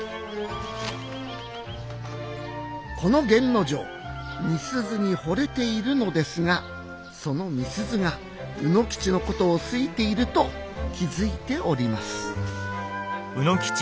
この源之丞美鈴に惚れているのですがその美鈴が卯之吉のことを好いていると気付いております。